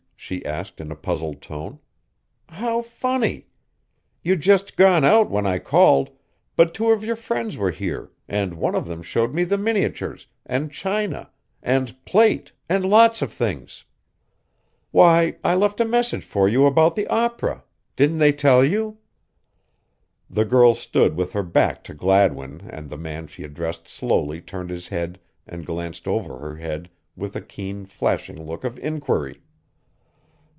she asked in a puzzled tone. "How funny! You'd just gone out when I called, but two of your friends were here and one of them showed me the miniatures, and china, and plate and lots of things. Why, I left a message for you about the opera didn't they tell you?" The girl stood with her back to Gladwin and the man she addressed slowly turned his head and glanced over her head with a keen, flashing look of inquiry.